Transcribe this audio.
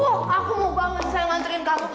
wah aku mau banget saya nantriin kamu